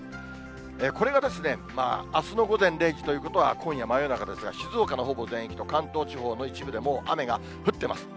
これがですね、あすの午前０時ということは、今夜真夜中ですが、静岡のほぼ全域と関東地方の一部でもう雨が降ってます。